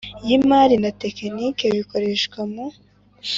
Y imari na tekiniki bikoreshwa mu